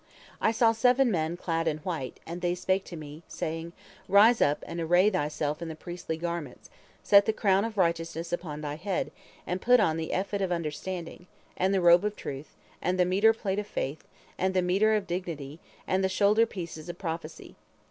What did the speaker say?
I saw seven men clad in white, and they spake to me, saying: 'Rise up, and array thyself in the priestly garments, set the crown of righteousness upon thy head, and put on the ephod of understanding, and the robe of truth, and the mitre plate of faith, and the mitre of dignity, and the shoulderpieces of prophecy.'